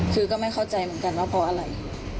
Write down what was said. คือก็ไม่เข้าใจเหมือนกันว่าเพราะอะไร